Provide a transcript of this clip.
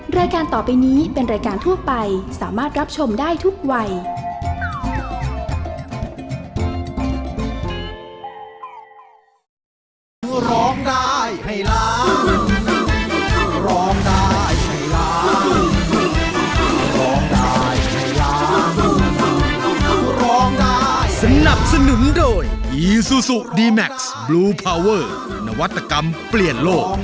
รายการต่อไปนี้เป็นรายการทั่วไปสามารถรับชมได้ทุกวัย